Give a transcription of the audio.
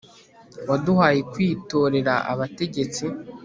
waduhaye kwitorera abategetsi